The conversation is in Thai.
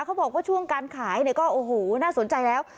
เขาบอกว่าช่วงการขายเนี่ยก็โอ้โหน่าสนใจแล้ว